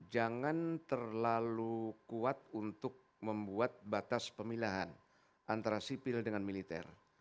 jangan terlalu kuat untuk membuat batas pemilahan antara sipil dengan militer